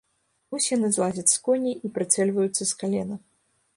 Вось яны злазяць з коней і прыцэльваюцца з калена.